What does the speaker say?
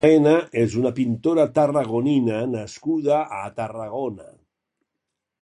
Teresa Baena és una pintora tarragonina nascuda a Tarragona.